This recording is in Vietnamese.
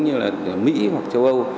như là mỹ hoặc châu âu